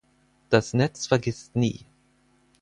Das Netz vergisst nie“.